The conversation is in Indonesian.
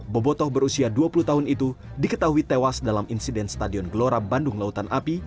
bobotoh berusia dua puluh tahun itu diketahui tewas dalam insiden stadion gelora bandung lautan api